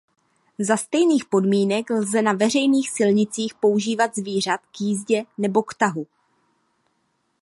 Za stejných podmínek lze na veřejných silnicích používat zvířat k jízdě nebo k tahu.